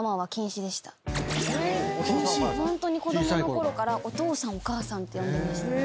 ホントに子供のころからお父さんお母さんって呼んでました。